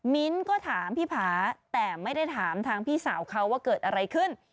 มิ้นท์ก็ถามพี่ผาแต่ไม่ได้ถามทางพี่สาวเขาว่าเกิดอะไรขึ้น